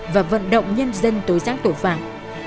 và vận động nhân dân tối sát tội phạm